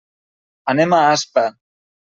Anem a Aspa.